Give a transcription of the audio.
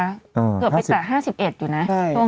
เกือบไปแตะ๕๑อยู่นะ